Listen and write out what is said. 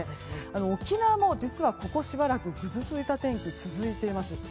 沖縄も実はここしばらくぐずついた天気が続いています。